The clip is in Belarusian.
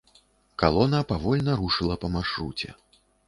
Калона павольна рушыла па маршруце.